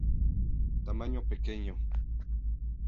Tamaño pequeño.